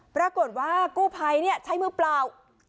ปรากฏว่ากู้ภัยใช้มือเปล่า